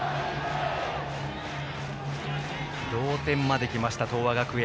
同点まで来ました、東亜学園。